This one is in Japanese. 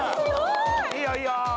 いいよいいよ